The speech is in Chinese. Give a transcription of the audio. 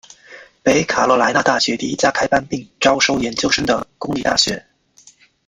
北卡罗来纳大学第一家开班并招收研究生的公立大学。